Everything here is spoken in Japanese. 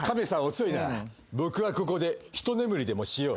遅いな僕はここで一眠りでもしよう。